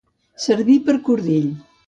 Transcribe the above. Servir per cordill.